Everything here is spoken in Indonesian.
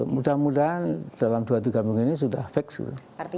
mudah mudahan dalam dua tiga minggu ini sudah fix gitu